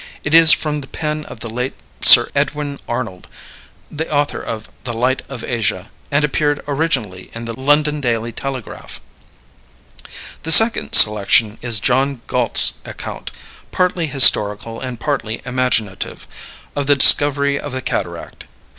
It is from the pen of the late Sir Edwin Arnold, the author of "The Light of Asia," and appeared originally in the London Daily Telegraph. The second selection is John Galt's account, partly historical and partly imaginative, of the discovery of the cataract.